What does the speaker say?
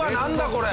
これ！